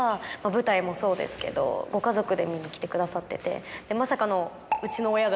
舞台もそうですけどご家族で見に来てくださってて。